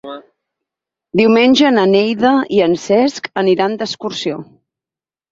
Diumenge na Neida i en Cesc aniran d'excursió.